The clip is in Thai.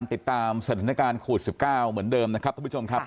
ติดตามสถานการณ์โควิด๑๙เหมือนเดิมนะครับท่านผู้ชมครับ